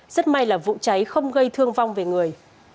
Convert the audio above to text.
rất may là vụ cháy không gây thương vong về người